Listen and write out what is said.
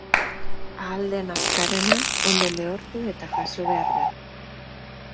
Ahal den azkarrena ondo lehortu eta jaso behar da.